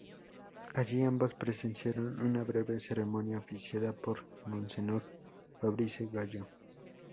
Allí, ambos presenciaron una breve ceremonia oficiada por monseñor Fabrice Gallo.